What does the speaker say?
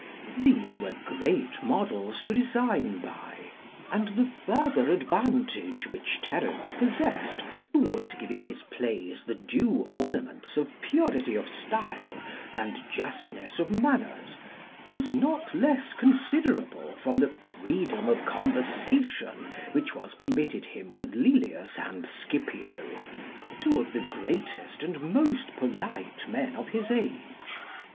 These were great models to design by; and the further advantage which Terence possessed towards giving his plays the due ornaments of purity of style, and justness of manners, was not less considerable from the freedom of conversation which was permitted him with Lelius and Scipio, two of the greatest and most polite men of his age.